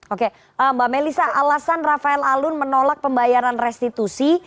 oke mbak melisa alasan rafael alun menolak pembayaran restitusi